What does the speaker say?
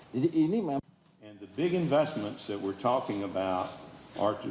jadi ini akan diberikan sekarang di dua ribu tiga puluh satu